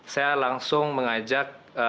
saya langsung mengajak